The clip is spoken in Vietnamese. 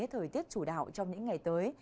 thời tiết chủ đạo trong những ngày tới